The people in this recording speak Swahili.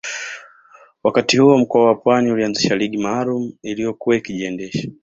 Wakati huo mkoa wa Pwani ulianzisha ligi maalumu iliyokuwa ikijiendesha